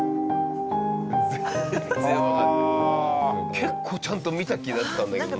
結構ちゃんと見た気だったんだけどな。